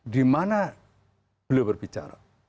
di mana belum berbicara